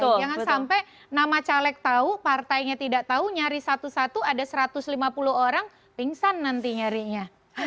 jangan sampai nama caleg tahu partainya tidak tahu nyari satu satu ada satu ratus lima puluh orang pingsan nanti nyarinya